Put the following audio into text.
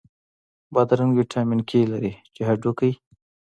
بادرنګ ویټامین K لري، چې هډوکی